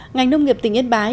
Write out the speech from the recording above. ngành nông nghiệp tỉnh yên bái